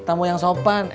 tamu yang sopan ya